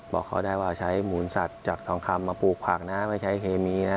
บอกเขาได้ว่าใช้หมูนสัตว์จากทองคำมาปลูกผักนะไม่ใช้เคมีนะ